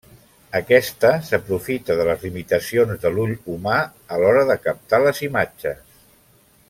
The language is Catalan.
Aquesta s'aprofita de les limitacions de l'ull humà a l'hora de captar les imatges.